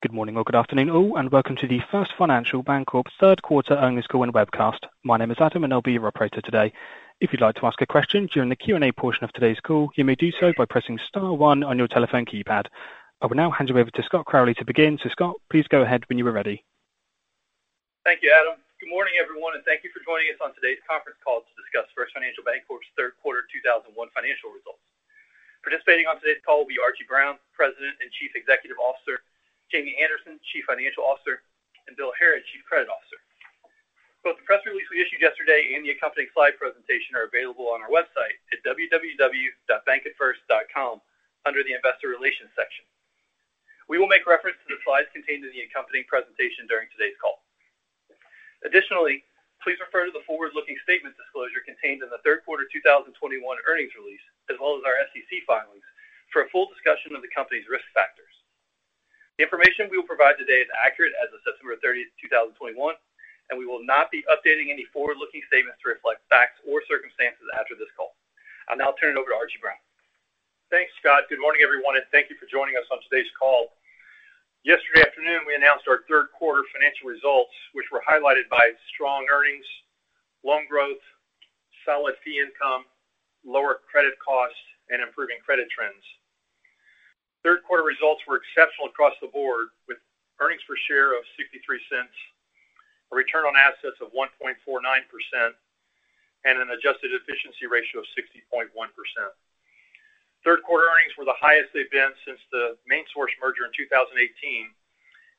Good morning or good afternoon all, and welcome to the First Financial Bancorp third quarter earnings call and webcast. My name is Adam and I'll be your operator today. If you'd like to ask a question during the Q&A portion of today's call, you may do so by pressing star one on your telephone keypad. I will now hand you over to Scott Crawley to begin. Scott, please go ahead when you are ready. Thank you, Adam. Good morning, everyone, and thank you for joining us on today's conference call to discuss First Financial Bancorp's third quarter 2021 financial results. Participating on today's call will be Archie Brown, President and Chief Executive Officer, James Anderson, Chief Financial Officer, and Bill Harrod, Chief Credit Officer. Both the press release we issued yesterday and the accompanying slide presentation are available on our website at www.bankatfirst.com under the investor relations section. We will make reference to the slides contained in the accompanying presentation during today's call. Additionally, please refer to the forward-looking statements disclosure contained in the third quarter 2021 earnings release, as well as our SEC filings for a full discussion of the company's risk factors. The information we will provide today is accurate as of September 30th, 2021. We will not be updating any forward-looking statements to reflect facts or circumstances after this call. I'll now turn it over to Archie Brown. Thanks, Scott. Good morning, everyone, and thank you for joining us on today's call. Yesterday afternoon, we announced our third quarter financial results, which were highlighted by strong earnings, loan growth, solid fee income, lower credit costs, and improving credit trends. Third quarter results were exceptional across the board, with earnings per share of $0.63, a return on average assets of 1.49%, and an adjusted efficiency ratio of 60.1%. Third quarter earnings were the highest they've been since the MainSource merger in 2018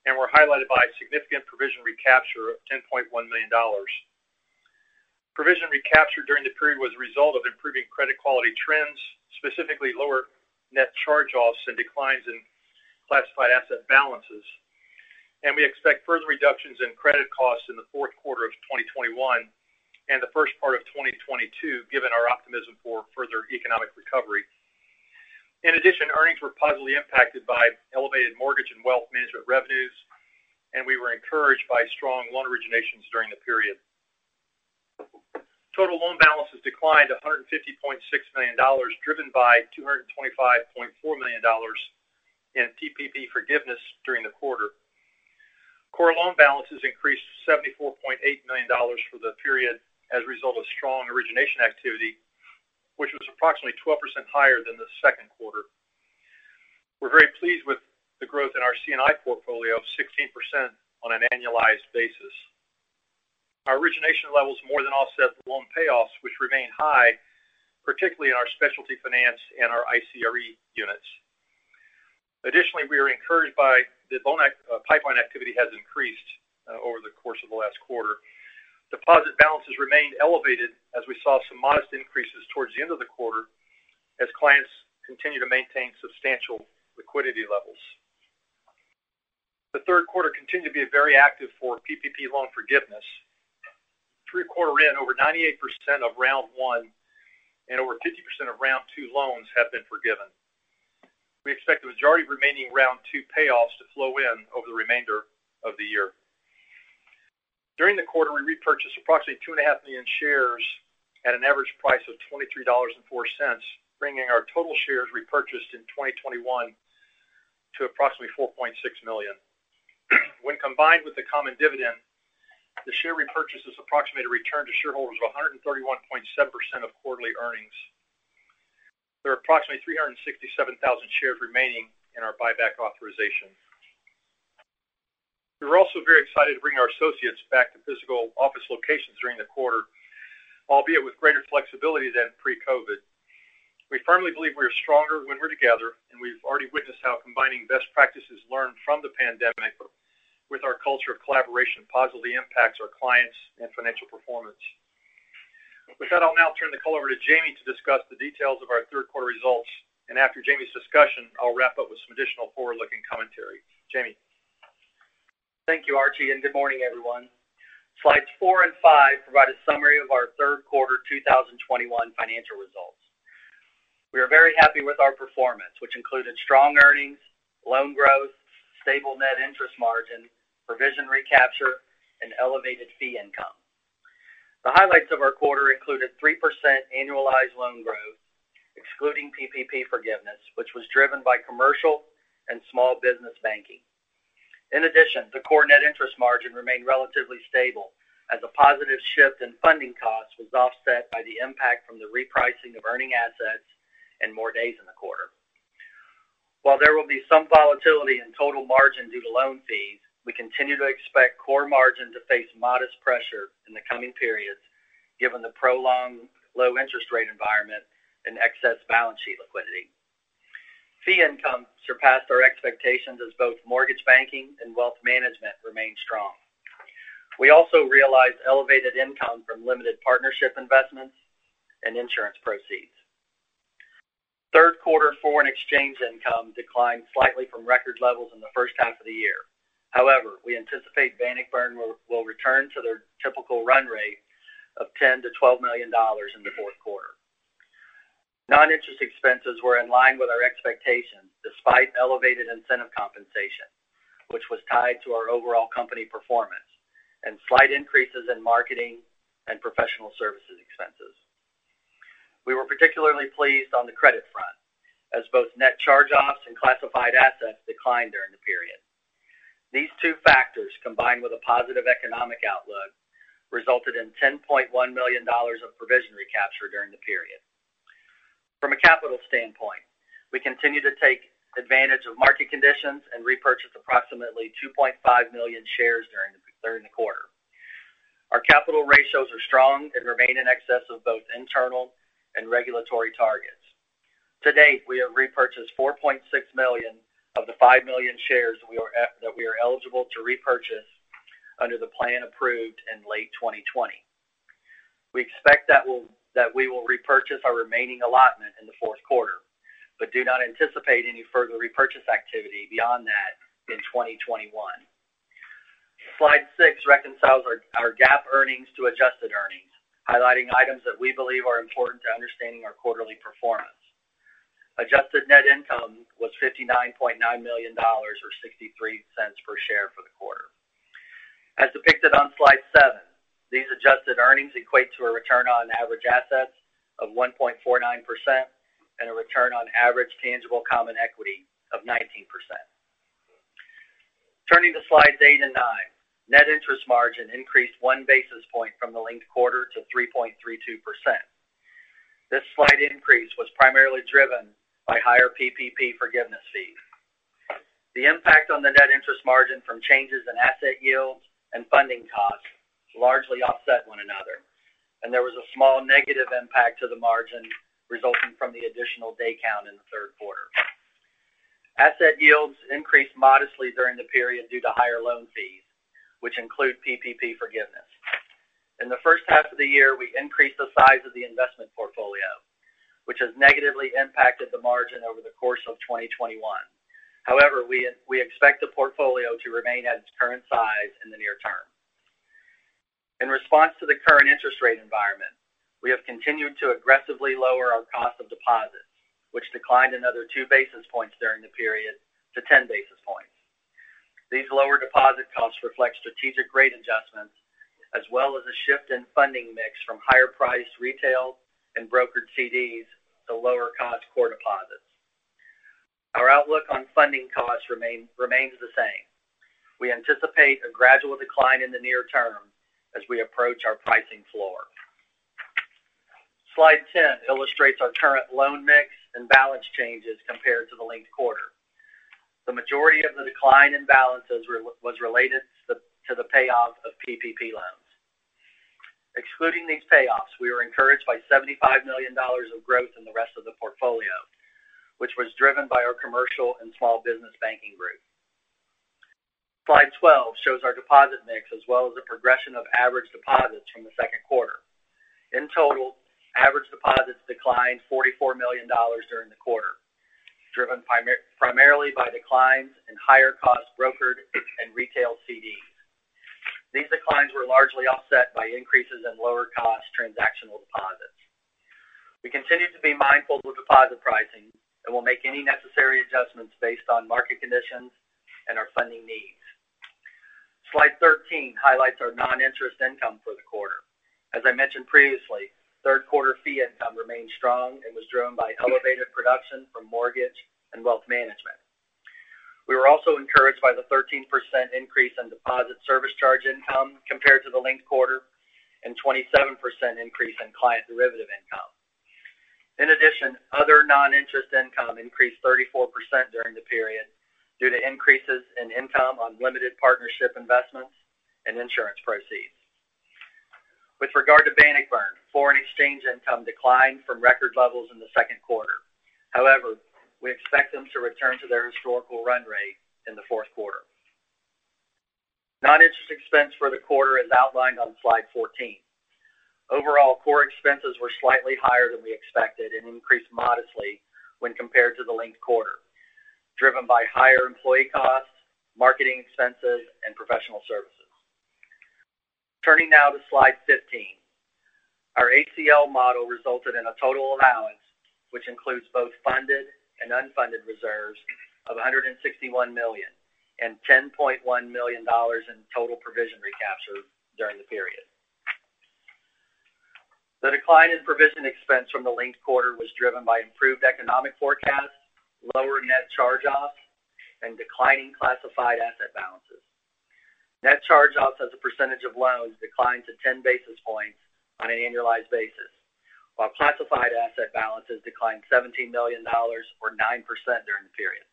and were highlighted by significant provision recapture of $10.1 million. Provision recapture during the period was a result of improving credit quality trends, specifically lower net charge-offs and declines in classified asset balances. We expect further reductions in credit costs in the fourth quarter of 2021 and the first part of 2022, given our optimism for further economic recovery. In addition, earnings were positively impacted by elevated mortgage and wealth management revenues, and we were encouraged by strong loan originations during the period. Total loan balances declined $150.6 million, driven by $225.4 million in PPP forgiveness during the quarter. Core loan balances increased to $74.8 million for the period as a result of strong origination activity, which was approximately 12% higher than the second quarter. We are very pleased with the growth in our C&I portfolio of 16% on an annualized basis. Our origination levels more than offset the loan payoffs, which remain high, particularly in our specialty finance and our ICRE units. Additionally, we are encouraged by the loan pipeline activity has increased over the course of the last quarter. Deposit balances remained elevated as we saw some modest increases towards the end of the quarter as clients continue to maintain substantial liquidity levels. The third quarter continued to be very active for PPP loan forgiveness. Through the quarter we had over 98% of round one and over 50% of round two loans have been forgiven. We expect the majority of remaining round two payoffs to flow in over the remainder of the year. During the quarter, we repurchased approximately 2.5 million shares at an average price of $23.04, bringing our total shares repurchased in 2021 to approximately 4.6 million. When combined with the common dividend, the share repurchase is approximated a return to shareholders of 131.7% of quarterly earnings. There are approximately 367,000 shares remaining in our buyback authorization. We were also very excited to bring our associates back to physical office locations during the quarter, albeit with greater flexibility than pre-COVID. We firmly believe we are stronger when we're together, and we've already witnessed how combining best practices learned from the pandemic with our culture of collaboration positively impacts our clients and financial performance. With that, I'll now turn the call over to James to discuss the details of our third quarter results. After James's discussion, I'll wrap up with some additional forward-looking commentary. James? Thank you, Archie, and good morning, everyone. Slides four and five provide a summary of our third quarter 2021 financial results. We are very happy with our performance, which included strong earnings, loan growth, stable net interest margin, provision recapture, and elevated fee income. The highlights of our quarter included 3% annualized loan growth, excluding PPP forgiveness, which was driven by commercial and small business banking. In addition, the core net interest margin remained relatively stable as a positive shift in funding costs was offset by the impact from the repricing of earning assets and more days in the quarter. While there will be some volatility in total margin due to loan fees, we continue to expect core margin to face modest pressure in the coming periods given the prolonged low interest rate environment and excess balance sheet liquidity. Fee income surpassed our expectations as both mortgage banking and wealth management remained strong. We also realized elevated income from limited partnership investments and insurance proceeds. Third quarter foreign exchange income declined slightly from record levels in the first half of the year. However, we anticipate Bannockburn will return to their typical run rate of $10 million-$12 million in the fourth quarter. Non-interest expenses were in line with our expectations, despite elevated incentive compensation, which was tied to our overall company performance, and slight increases in marketing and professional services expenses. We were particularly pleased on the credit front as both net charge-offs and classified assets declined during the period. These two factors, combined with a positive economic outlook, resulted in $10.1 million of provision recapture during the period. From a capital standpoint, we continue to take advantage of market conditions and repurchase approximately 2.5 million shares during the quarter. Our capital ratios are strong and remain in excess of both internal and regulatory targets. To date, we have repurchased 4.6 million of the 5 million shares that we are eligible to repurchase under the plan approved in late 2020. We expect that we will repurchase our remaining allotment in the fourth quarter, but do not anticipate any further repurchase activity beyond that in 2021. Slide six reconciles our GAAP earnings to adjusted earnings, highlighting items that we believe are important to understanding our quarterly performance. Adjusted net income was $59.9 million, or $0.63 per share for the quarter. As depicted on slide seven, these adjusted earnings equate to a return on average assets of 1.49% and a return on average tangible common equity of 19%. Turning to slides eight and nine, net interest margin increased one basis point from the linked quarter to 3.32%. This slight increase was primarily driven by higher PPP forgiveness fees. The impact on the net interest margin from changes in asset yields and funding costs largely offset one another, and there was a small negative impact to the margin resulting from the additional day count in the third quarter. Asset yields increased modestly during the period due to higher loan fees, which include PPP forgiveness. In the first half of the year, we increased the size of the investment portfolio, which has negatively impacted the margin over the course of 2021. However, we expect the portfolio to remain at its current size in the near term. In response to the current interest rate environment, we have continued to aggressively lower our cost of deposits, which declined another two basis points during the period to 10 basis points. These lower deposit costs reflect strategic rate adjustments, as well as a shift in funding mix from higher priced retail and brokered CDs to lower cost core deposits. Our outlook on funding costs remains the same. We anticipate a gradual decline in the near term as we approach our pricing floor. Slide 10 illustrates our current loan mix and balance changes compared to the linked quarter. The majority of the decline in balances was related to the payoff of PPP loans. Excluding these payoffs, we were encouraged by $75 million of growth in the rest of the portfolio, which was driven by our commercial and small business banking group. Slide 12 shows our deposit mix, as well as the progression of average deposits from the second quarter. In total, average deposits declined $44 million during the quarter, driven primarily by declines in higher cost brokered and retail CDs. These declines were largely offset by increases in lower cost transactional deposits. We continue to be mindful with deposit pricing and will make any necessary adjustments based on market conditions and our funding needs. Slide 13 highlights our non-interest income for the quarter. As I mentioned previously, third quarter fee income remained strong and was driven by elevated production from mortgage and wealth management. We were also encouraged by the 13% increase in deposit service charge income compared to the linked quarter, and 27% increase in client derivative income. In addition, other non-interest income increased 34% during the period due to increases in income on limited partnership investments and insurance proceeds. With regard to Bannockburn, foreign exchange income declined from record levels in the second quarter. However, we expect them to return to their historical run rate in the fourth quarter. Non-interest expense for the quarter is outlined on slide 14. Overall, core expenses were slightly higher than we expected and increased modestly when compared to the linked quarter, driven by higher employee costs, marketing expenses, and professional services. Turning now to slide 15, our ACL model resulted in a total allowance, which includes both funded and unfunded reserves of $161 million and $10.1 million in total provision recapture during the period. The decline in provision expense from the linked quarter was driven by improved economic forecasts, lower net charge-offs, and declining classified asset balances. Net charge-offs as a percentage of loans declined to 10 basis points on an annualized basis, while classified asset balances declined $17 million, or 9%, during the period.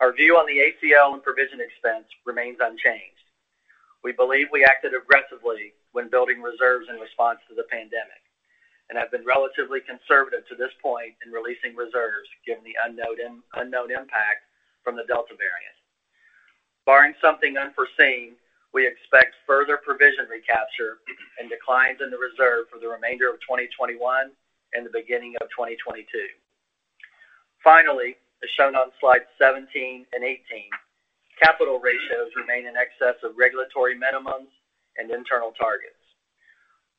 Our view on the ACL and provision expense remains unchanged. We believe we acted aggressively when building reserves in response to the pandemic and have been relatively conservative to this point in releasing reserves, given the unknown impact from the Delta variant. Barring something unforeseen, we expect further provision recapture and declines in the reserve for the remainder of 2021 and the beginning of 2022. Finally, as shown on slides 17 and 18, capital ratios remain in excess of regulatory minimums and internal targets.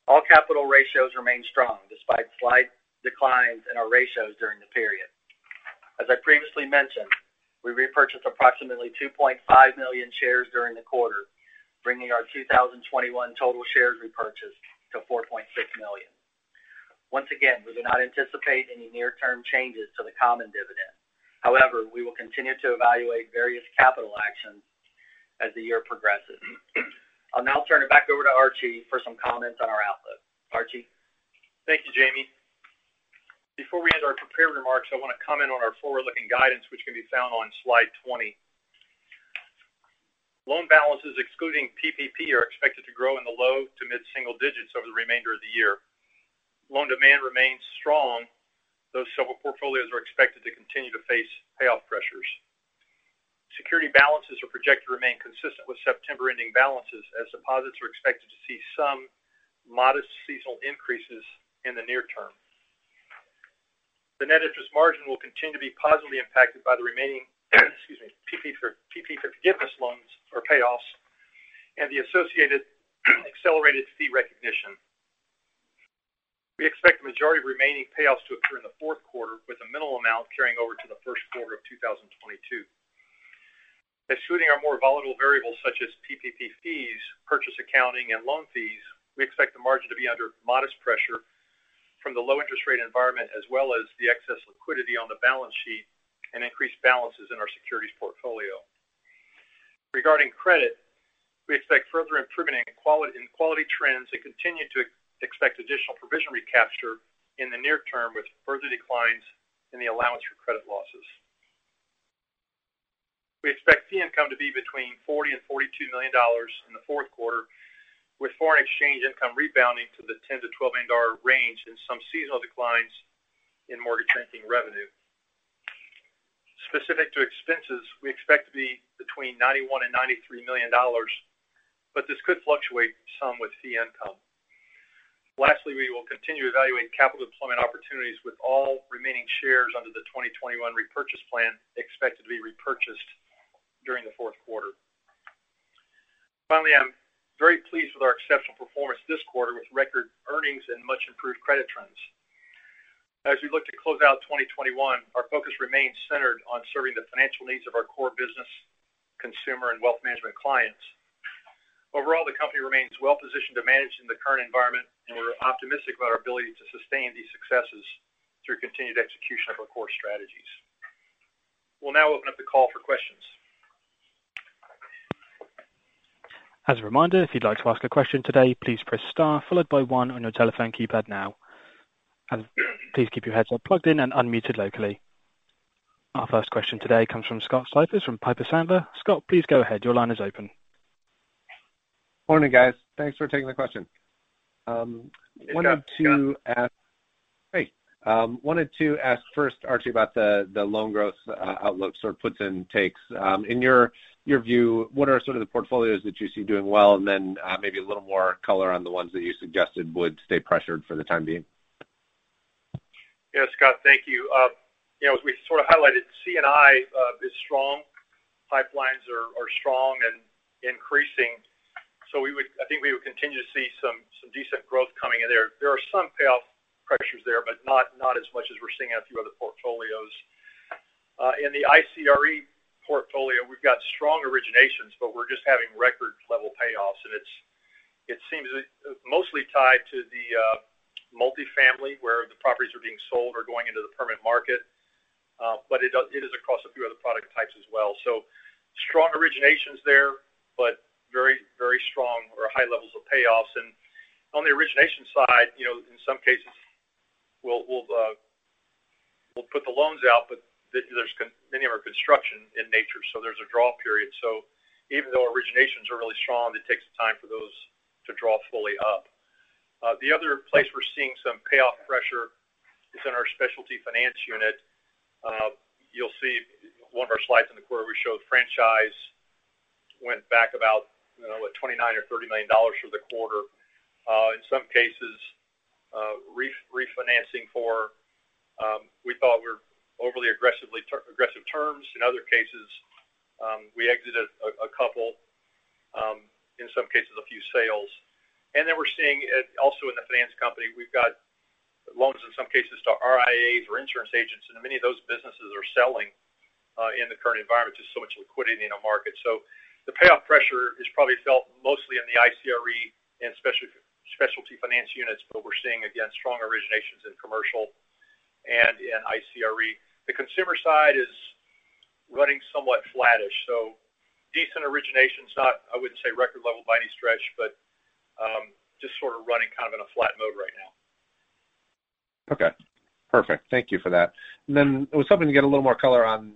All capital ratios remain strong despite slight declines in our ratios during the period. As I previously mentioned, we repurchased approximately 2.5 million shares during the quarter, bringing our 2021 total shares repurchase to 4.6 million. Once again, we do not anticipate any near-term changes to the common dividend. However, we will continue to evaluate various capital actions as the year progresses. I'll now turn it back over to Archie for some comments on our outlook. Archie? Thank you, Jamie. Before we end our prepared remarks, I want to comment on our forward-looking guidance, which can be found on slide 20. Loan balances, excluding PPP, are expected to grow in the low to mid-single digits over the remainder of the year. Loan demand remains strong, though several portfolios are expected to continue to face payoff pressures. Security balances are projected to remain consistent with September ending balances, as deposits are expected to see some modest seasonal increases in the near term. The net interest margin will continue to be positively impacted by the remaining, excuse me, PPP forgiveness loans or payoffs, and the associated accelerated fee recognition. We expect the majority of remaining payoffs to occur in the fourth quarter, with a minimal amount carrying over to the first quarter of 2022. Excluding our more volatile variables such as PPP fees, purchase accounting, and loan fees, we expect the margin to be under modest pressure from the low interest rate environment as well as the excess liquidity on the balance sheet and increased balances in our securities portfolio. Regarding credit, we expect further improvement in quality trends and continue to expect additional provision recapture in the near term, with further declines in the allowance for credit losses. We expect fee income to be between $40 million and $42 million in the fourth quarter, with foreign exchange income rebounding to the $10 million-$12 million range and some seasonal declines in mortgage banking revenue. Specific to expenses, we expect to be between $91 million and $93 million, but this could fluctuate some with fee income. Lastly, we will continue evaluating capital deployment opportunities with all remaining shares under the 2021 repurchase plan expected to be repurchased during the fourth quarter. Finally, I'm very pleased with our exceptional performance this quarter with record earnings and much improved credit trends. As we look to close out 2021, our focus remains centered on serving the financial needs of our core business, consumer, and wealth management clients. Overall, the company remains well positioned to manage in the current environment, and we're optimistic about our ability to sustain these successes through continued execution of our core strategies. We'll now open up the call for questions. As a reminder, if you'd like to ask a question today, please press star followed by one on your telephone keypad now. Please keep your headset plugged in and unmuted locally. Our first question today comes from Scott Siefers from Piper Sandler. Scott, please go ahead. Your line is open. Morning, guys. Thanks for taking the question. Yeah, Scott. Wanted to ask first, Archie, about the loan growth outlook puts and takes. In your view, what are some of the portfolios that you see doing well? Maybe a little more color on the ones that you suggested would stay pressured for the time being. Yeah, Scott, thank you. As we highlighted, C&I is strong. Pipelines are strong and increasing. I think we would continue to see some decent growth coming in there. There are some payoff pressures there, but not as much as we're seeing at a few other portfolios. In the ICRE portfolio, we've got strong originations, but we're just having record-level payoffs. It seems mostly tied to the multifamily, where the properties are being sold or going into the permanent market. It is across a few other product types as well. Strong originations there, but very strong or high levels of payoffs. On the origination side, in some cases we'll put the loans out, but many of them are construction in nature, so there's a draw period. Even though originations are really strong, it takes time for those to draw fully up. The other place we're seeing some payoff pressure is in our specialty finance unit. You'll see one of our slides in the quarter we showed franchise went back about $29 million or $30 million for the quarter. In some cases, refinancing for, we thought were overly aggressive terms. In other cases, we exited a couple, in some cases, a few sales. Then we're seeing also in the finance company, we've got loans in some cases to RIAs or insurance agents, and many of those businesses are selling in the current environment. There's so much liquidity in the market. The payoff pressure is probably felt mostly in the ICRE and specialty finance units. We're seeing, again, strong originations in commercial and in ICRE. The consumer side is running somewhat flattish. Decent originations, I wouldn't say record level by any stretch, but just running in a flat mode right now. Okay, perfect. Thank you for that. I was hoping to get a little more color on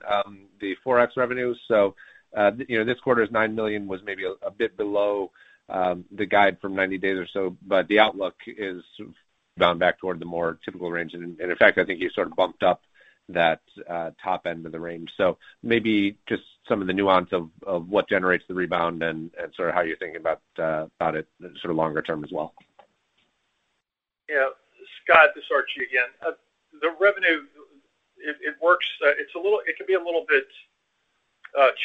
the Forex revenues. This quarter's $9 million was maybe a bit below the guide from 90 days or so, but the outlook is bound back toward the more typical range. In fact, I think you bumped up that top end of the range. Maybe just some of the nuance of what generates the rebound and how you're thinking about it longer term as well. Yeah. Scott, this is Archie again. The revenue, it can be a little bit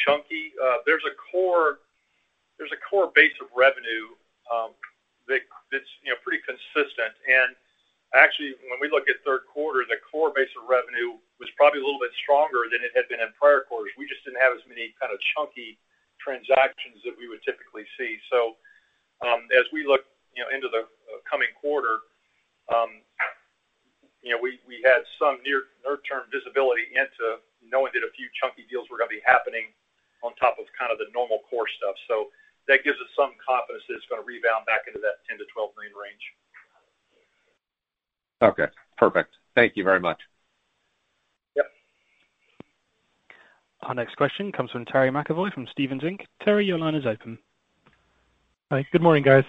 chunky. There's a core base of revenue consistent. Actually, when we look at third quarter, the core base of revenue was probably a little bit stronger than it had been in prior quarters. We just didn't have as many kind of chunky transactions that we would typically see. As we look into the coming quarter, we had some near-term visibility into knowing that a few chunky deals were going to be happening on top of kind of the normal core stuff. That gives us some confidence that it's going to rebound back into that $10 million-$12 million range. Okay, perfect. Thank you very much. Yep. Our next question comes from Terry McEvoy from Stephens Inc. Terry, your line is open. Hi. Good morning, guys.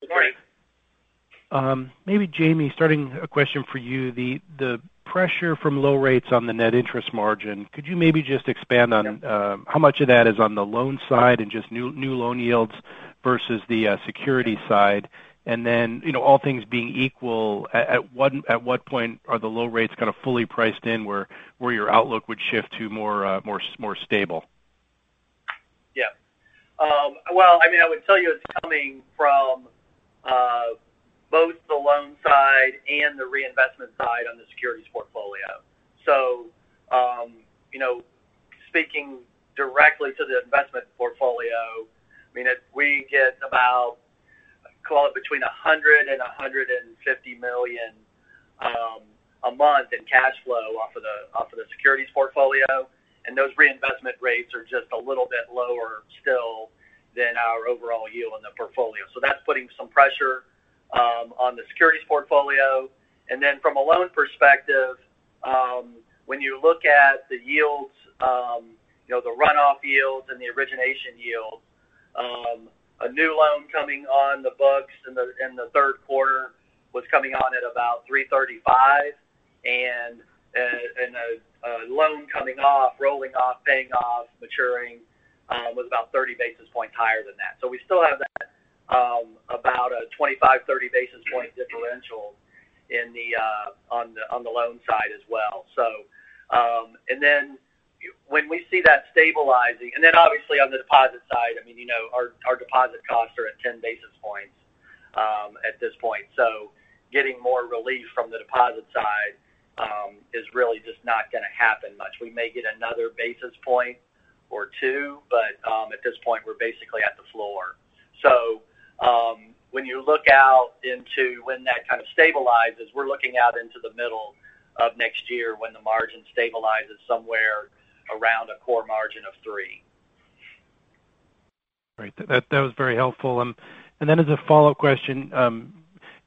Good morning. Maybe Jamie, starting a question for you. The pressure from low rates on the net interest margin. Could you maybe just expand on how much of that is on the loan side and just new loan yields versus the security side? Then, all things being equal, at what point are the low rates kind of fully priced in where your outlook would shift to more stable? Well, I would tell you it's coming from both the loan side and the reinvestment side on the securities portfolio. Speaking directly to the investment portfolio, if we get about, call it between $100 million and $150 million a month in cash flow off of the securities portfolio, and those reinvestment rates are just a little bit lower still than our overall yield on the portfolio. From a loan perspective, when you look at the yields, the runoff yields and the origination yields, a new loan coming on the books in the third quarter was coming on at about 335. A loan coming off, rolling off, paying off, maturing, was about 30 basis points higher than that. We still have that about a 25, 30 basis point differential on the loan side as well. When we see that stabilizing obviously on the deposit side, our deposit costs are at 10 basis points at this point. Getting more relief from the deposit side is really just not going to happen much. We may get another basis point or two, but at this point, we're basically at the floor. When you look out into when that kind of stabilizes, we're looking out into the middle of next year when the margin stabilizes somewhere around a core margin of 3%. Great. That was very helpful. As a follow-up question,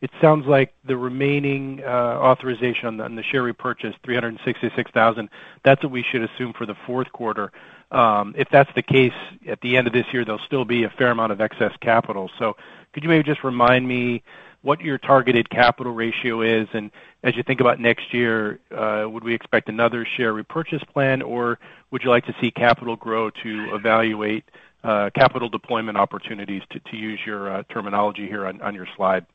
it sounds like the remaining authorization on the share repurchase, 366,000, that's what we should assume for the fourth quarter. If that's the case, at the end of this year, there'll still be a fair amount of excess capital. Could you maybe just remind me what your targeted capital ratio is? As you think about next year, would we expect another share repurchase plan, or would you like to see capital grow to evaluate capital deployment opportunities, to use your terminology here on your slide?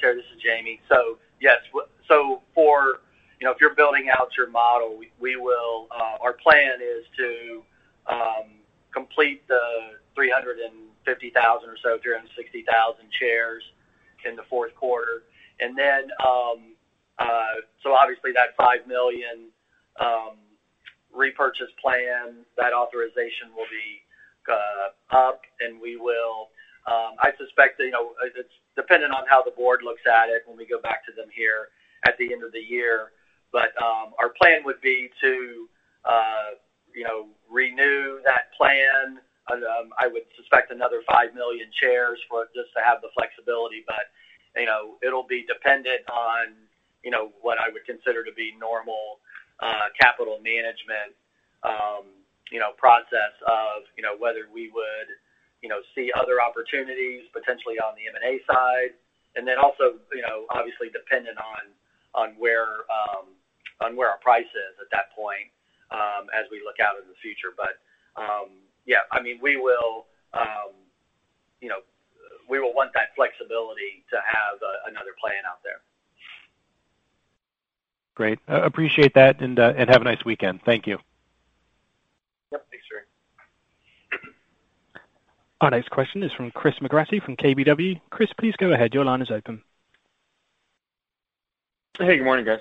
Terry, this is Jamie. Yes. If you're building out your model, our plan is to complete the 350,000 or so, 360,000 shares in the fourth quarter. Obviously that $5 million repurchase plan, that authorization will be up, and I suspect it's dependent on how the board looks at it when we go back to them here at the end of the year. Our plan would be to renew that plan. I would suspect another $5 million shares just to have the flexibility. It'll be dependent on what I would consider to be normal capital management process of whether we would see other opportunities potentially on the M&A side. Obviously dependent on where our price is at that point as we look out into the future. We will want that flexibility to have another plan out there. Great. Appreciate that, and have a nice weekend. Thank you. Yep. Thanks, Terry. Our next question is from Chris McGratty from KBW. Chris, please go ahead. Your line is open. Hey, good morning, guys.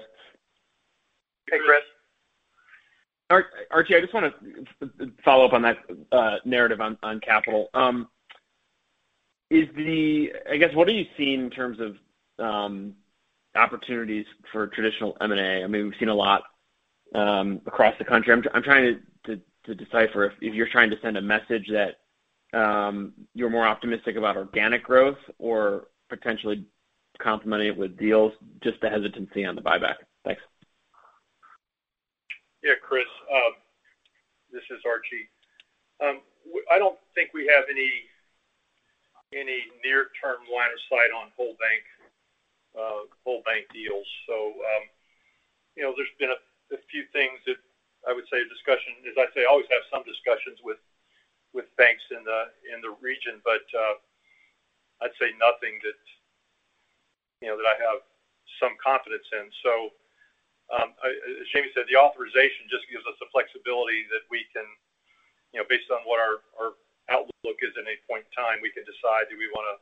Hey, Chris. Archie, I just want to follow up on that narrative on capital. I guess what are you seeing in terms of opportunities for traditional M&A? We've seen a lot across the country. I'm trying to decipher if you're trying to send a message that you're more optimistic about organic growth or potentially complementing it with deals, just the hesitancy on the buyback. Thanks. Yeah, Chris. This is Archie. I don't think we have any near-term line of sight on whole bank deals. There's been a few things that I would say I always have some discussions with banks in the region, but I'd say nothing that I have some confidence in. As James said, the authorization just gives us the flexibility that based on what our outlook is at any point in time, we can decide, do we want to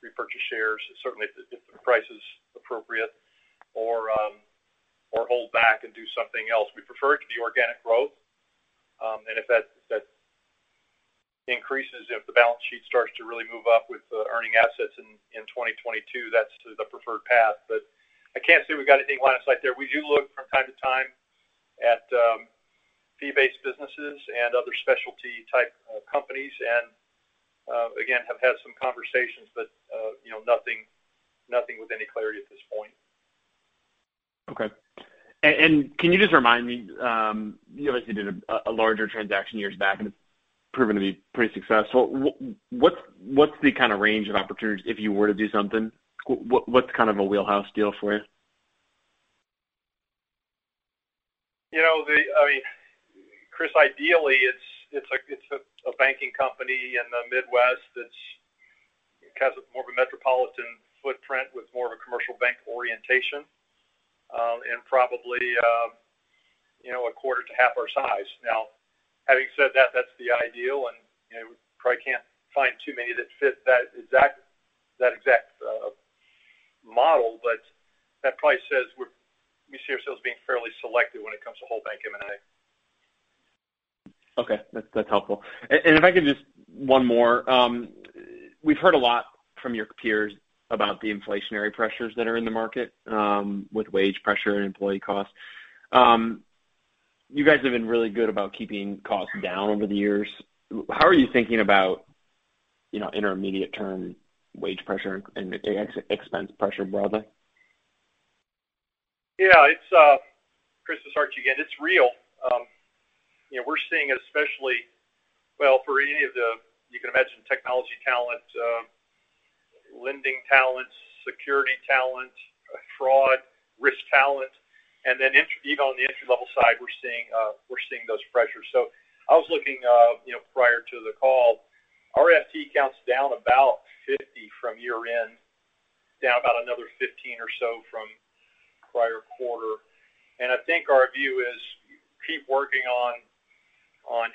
repurchase shares? Certainly if the price is appropriate or hold back and do something else. We prefer it to be organic growth, if that increases, if the balance sheet starts to really move up with the earning assets in 2022, that's the preferred path. I can't say we've got anything on our sight there. We do look from time to time at fee-based businesses and other specialty type companies, and again, have had some conversations, but nothing with any clarity at this point. Okay. Can you just remind me, you obviously did a larger transaction years back, and it's proven to be pretty successful. What's the kind of range of opportunities if you were to do something? What's kind of a wheelhouse deal for you? Chris, ideally, it's a banking company in the Midwest that's kind of more of a metropolitan footprint with more of a commercial bank orientation. Probably a quarter to half our size. Now, having said that's the ideal, and we probably can't find too many that fit that exact model. That probably says we see ourselves being fairly selective when it comes to whole bank M&A. Okay. That's helpful. If I could just, one more. We've heard a lot from your peers about the inflationary pressures that are in the market with wage pressure and employee costs. You guys have been really good about keeping costs down over the years. How are you thinking about intermediate-term wage pressure and expense pressure broadly? Chris, it's Archie again. It's real. We're seeing, well, for any of the, you can imagine, technology talent, lending talents, security talent, fraud, risk talent, and then even on the entry-level side, we're seeing those pressures. I was looking prior to the call, our FTE count's down about 50 from year-end, down about another 15 or so from prior quarter. I think our view is keep working on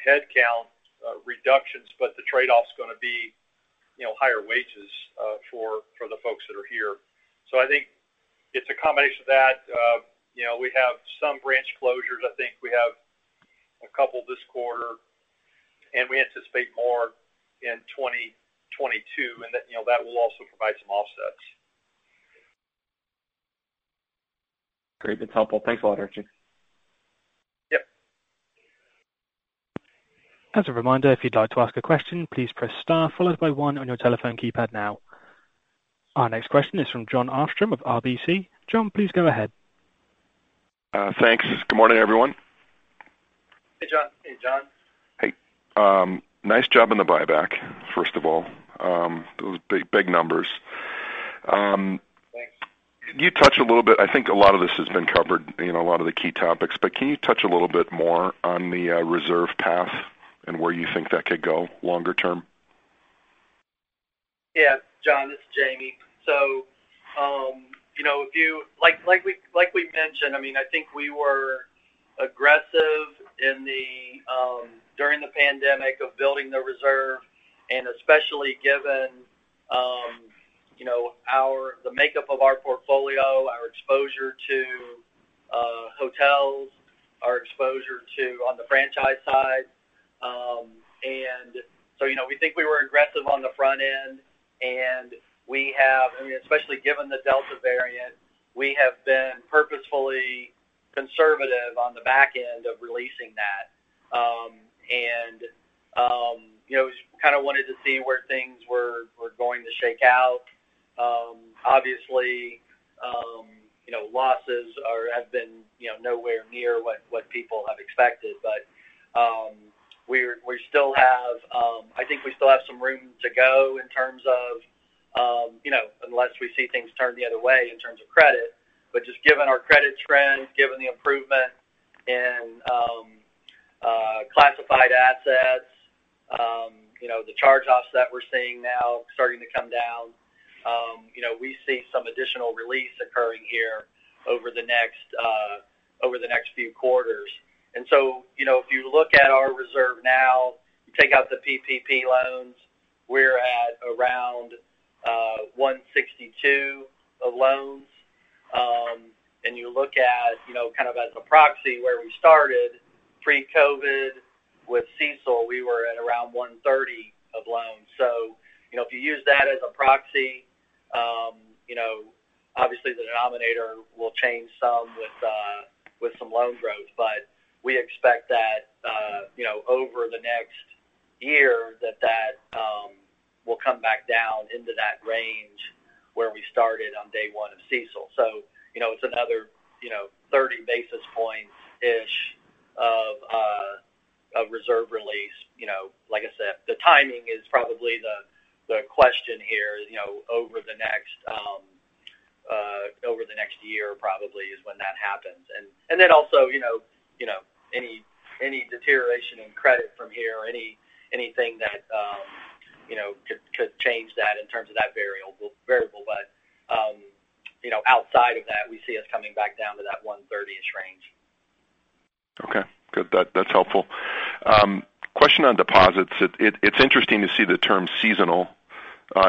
headcount reductions, but the trade-off's going to be higher wages for the folks that are here. I think it's a combination of that. We have some branch closures. I think we have a couple this quarter, and we anticipate more in 2022. That will also provide some offsets. Great. That's helpful. Thanks a lot, Archie. Yep. As a reminder, if you'd like to ask a question, please press star followed by one on your telephone keypad now. Our next question is from Jon Arfstrom of RBC. Jon, please go ahead. Thanks. Good morning, everyone. Hey, Jon. Hey, Jon. Hey. Nice job on the buyback, first of all. Those big numbers. Thanks. I think a lot of this has been covered in a lot of the key topics, but can you touch a little bit more on the reserve path and where you think that could go longer term? Jon, this is Jamie. Like we mentioned, I think we were aggressive during the pandemic of building the reserve and especially given the makeup of our portfolio, our exposure to hotels, our exposure on the franchise side. We think we were aggressive on the front end, especially given the Delta variant, we have been purposefully conservative on the back end of releasing that. Just kind of wanted to see where things were going to shake out. Obviously, losses have been nowhere near what people have expected. I think we still have some room to go unless we see things turn the other way in terms of credit, just given our credit trend, given the improvement in classified assets, the charge-offs that we're seeing now starting to come down. We see some additional release occurring here over the next few quarters. If you look at our reserve now, you take out the PPP loans, we're at around 162 of loans. You look at kind of as a proxy where we started pre-COVID with CECL, we were at around 130 of loans. If you use that as a proxy, obviously the denominator will change some with some loan growth. We expect that over the next year, that that will come back down into that range where we started on day one of CECL. It's another 30 basis point-ish of reserve release. Like I said, the timing is probably the question here over the next few. Probably is when that happens. Also, any deterioration in credit from here, anything that could change that in terms of that variable. Outside of that, we see us coming back down to that 130-ish range. Okay. Good. That's helpful. Question on deposits. It's interesting to see the term seasonal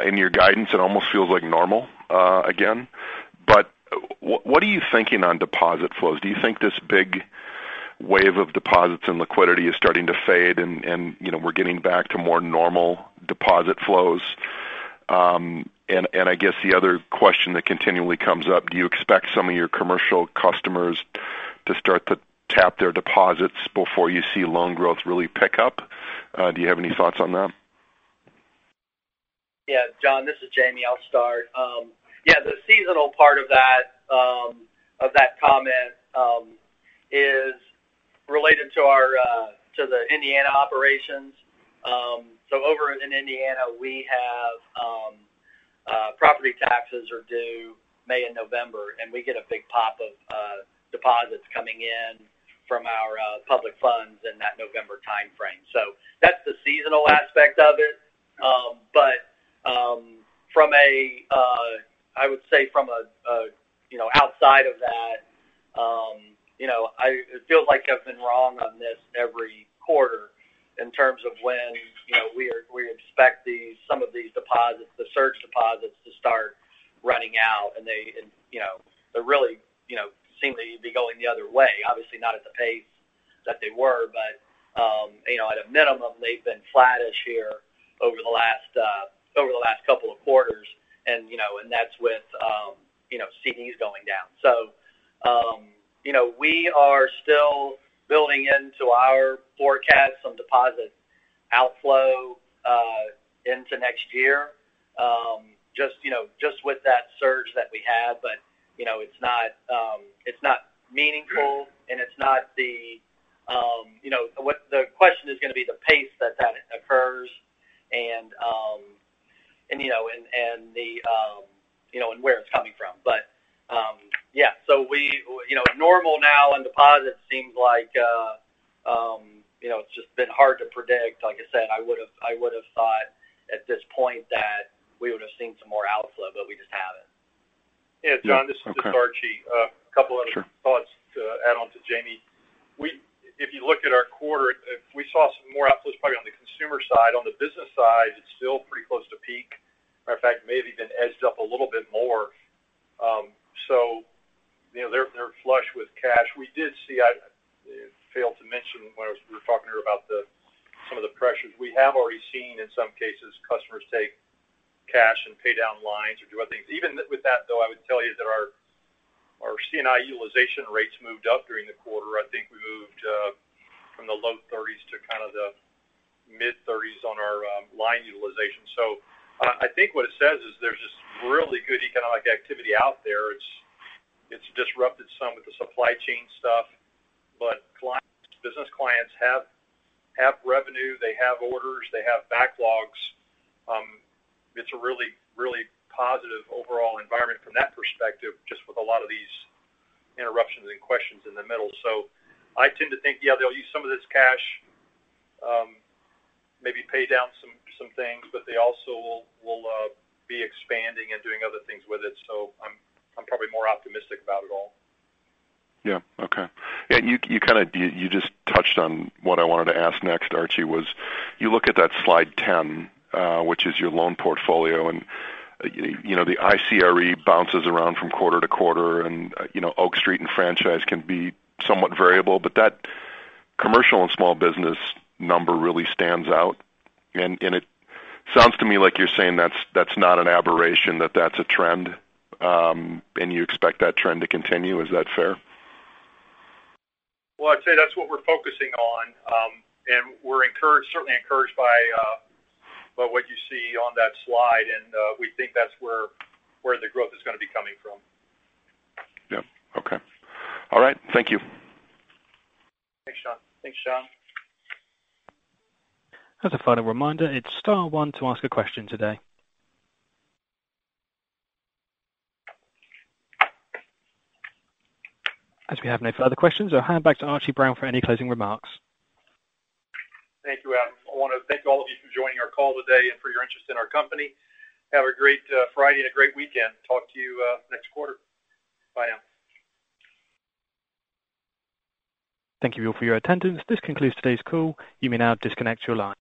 in your guidance. It almost feels like normal again. What are you thinking on deposit flows? Do you think this big wave of deposits and liquidity is starting to fade and we're getting back to more normal deposit flows? I guess the other question that continually comes up, do you expect some of your commercial customers to start to tap their deposits before you see loan growth really pick up? Do you have any thoughts on that? Jon, this is James. I'll start. The seasonal part of that comment is related to the Indiana operations. Over in Indiana, we have property taxes are due May and November, and we get a big pop of deposits coming in from our public funds in that November timeframe. That's the seasonal aspect of it. I would say from outside of that, it feels like I've been wrong on this every quarter in terms of when we expect some of these deposits, the surge deposits, to start running out, and they really seem to be going the other way. Obviously not at the pace that they were, but at a minimum, they've been flattish here over the last couple of quarters. That's with CDs going down. We are still building into our forecast some deposit outflow into next year just with that surge that we had. It's not meaningful and the question is going to be the pace that that occurs and where it's coming from. Yeah. Normal now on deposits seems like it's just been hard to predict. Like I said, I would've thought at this point that we would've seen some more outflow, but we just haven't. Yeah. Okay. Yeah, Jon, this is Archie. A couple other thoughts to add on to Jamie. If you look at our quarter, we saw some more outflows probably on the consumer side. On the business side, it's still pretty close to peak. Matter of fact, may have even edged up a little bit more. They're flush with cash. I failed to mention when we were talking here about some of the pressures. We have already seen, in some cases, customers take cash and pay down lines or do other things. Even with that, though, I would tell you that our C&I utilization rates moved up during the quarter. I think we moved from the low 30s to kind of the mid-30s on our line utilization. I think what it says is there's this really good economic activity out there. It's disrupted some with the supply chain stuff, but business clients have revenue, they have orders, they have backlogs. It's a really positive overall environment from that perspective, just with a lot of these interruptions and questions in the middle. I tend to think, yeah, they'll use some of this cash, maybe pay down some things, but they also will be expanding and doing other things with it. I'm probably more optimistic about it all. Yeah. Okay. You just touched on what I wanted to ask next, Archie, was you look at that slide 10, which is your loan portfolio, and the ICRE bounces around from quarter-quarter and Oak Street and Franchise can be somewhat variable, but that commercial and small business number really stands out. It sounds to me like you're saying that's not an aberration, that that's a trend, and you expect that trend to continue. Is that fair? Well, I'd say that's what we're focusing on. We're certainly encouraged by what you see on that slide, and we think that's where the growth is going to be coming from. Yeah. Okay. All right. Thank you. Thanks, Jon. Thanks, Jon. As a final reminder, it's star one to ask a question today. As we have no further questions, I'll hand back to Archie Brown for any closing remarks. Thank you, Adam. I want to thank all of you for joining our call today and for your interest in our company. Have a great Friday and a great weekend. Talk to you next quarter. Bye now. Thank you all for your attendance. This concludes today's call. You may now disconnect your line.